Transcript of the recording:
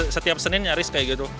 setiap senin nyaris kayak gitu